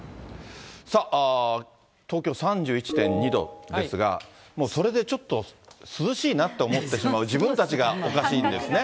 さあ、東京３１．２度ですが、もうそれでちょっと涼しいなって思ってしまう自分たちがおかしいんですね。